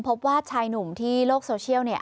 พบว่าชายหนุ่มที่โลกโซเชียลเนี่ย